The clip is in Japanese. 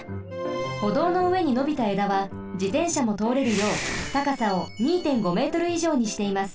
歩道のうえにのびたえだは自転車もとおれるようたかさを２．５メートルいじょうにしています。